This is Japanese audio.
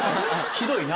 ひどいな。